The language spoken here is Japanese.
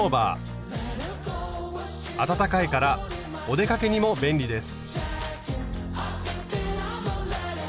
暖かいからお出かけにも便利です。